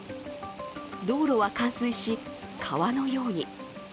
道路は冠水し、川のように。